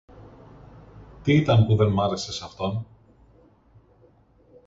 Τι ήταν που δε μ' άρεζε σ' αυτόν;